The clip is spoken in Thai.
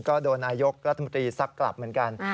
ก็โดนนายกรัฐมนตรีซักกลับเหมือนกัน